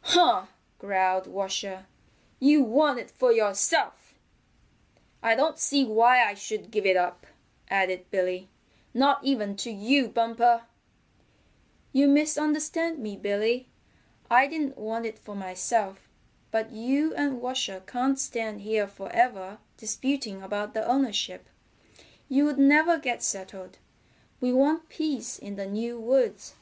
"Huh!" growled Washer. "You want it for yourself." "I don't see why I should give it up," added Billy, "not even to you, Bumper." "You misunderstand me, Billy. I didn't want it for myself, but you and Washer can't stand here forever disputing about the ownership. You'd never get settled. We want peace in the new woods."